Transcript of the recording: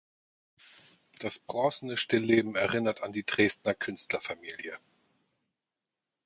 Das bronzene Stillleben erinnert an die Dresdner Künstlerfamilie.